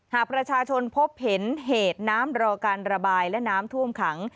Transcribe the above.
หากประชาชนพบเห็นเหตุน้ำรอการระบายและน้ำท่วมขัง